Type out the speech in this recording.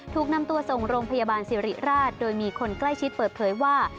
ถูกนำตัวส่งโรงพยาบาลสิริราชโดยมีคนใกล้ชิดเปิดเผยว่า